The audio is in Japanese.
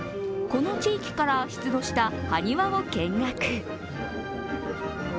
この地域から出土したはにわを見学。